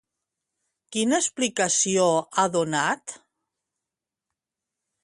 Quina explicació ha donat?